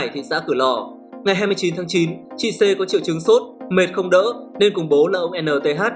thị xã cửa lò ngày hai mươi chín tháng chín chị c có triệu chứng sốt mệt không đỡ nên cùng bố là ông nh